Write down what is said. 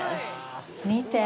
見て！